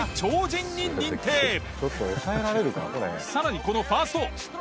さらにこのファースト。